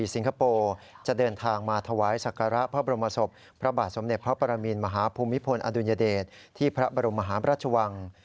สิงคโปร์จะเดินทางมาถวายศักระพระบรมศพพระบาทสมเด็จพระปรมินมหาภูมิพลอดุญเดชที่พระบรมหาพระราชวัง